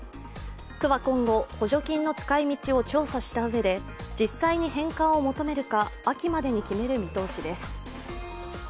区は今後、補助金の使い道を調査したうえで実際に返還を求めるか、秋までに決める見通しです。